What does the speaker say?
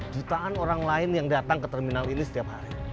jutaan orang lain yang datang ke terminal ini setiap hari